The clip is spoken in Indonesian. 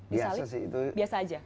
biasa sih biasa saja